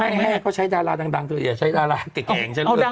แห้งก็ใช้ดาราดังตัวเองอย่าใช้ดาราเด็กอย่างฉันด้วย